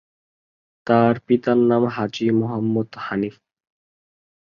তার পিতার নাম হাজী মুহাম্মদ হানিফ।